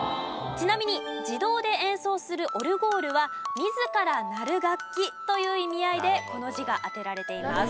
ちなみに自動で演奏するオルゴールは「自ら鳴る楽器」という意味合いでこの字が当てられています。